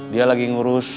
dia lagi ngurus